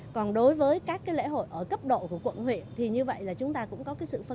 còn đối với các lễ hội ở cấp độ của quận huyện thì như vậy chúng ta cũng có sự phân cấp cho quận huyện